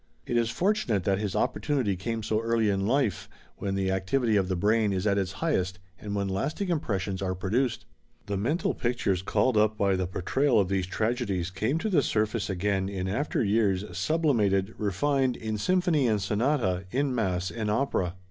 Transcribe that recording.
It is fortunate that his opportunity came so early in life, when the activity of the brain is at its highest and when lasting impressions are produced. The mental pictures called up by the portrayal of these tragedies came to the surface again in after years sublimated, refined, in symphony and sonata, in mass and opera.